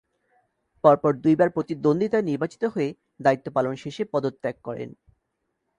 পর পর দুইবার প্রতিদ্বন্দীতায় নির্বাচিত হয়ে দায়িত্ব পালন শেষে পদত্যাগ করেন।